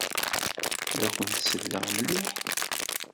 La akent-selleɣ mliḥ.